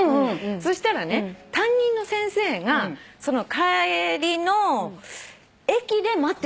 そしたらね担任の先生が帰りの駅で待っててくれたんだって。